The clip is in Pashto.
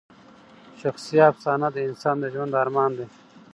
شخصي افسانه د انسان د ژوند ارمان دی.